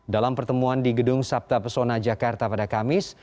dalam pertemuan di gedung sabta pesona jakarta pada kamis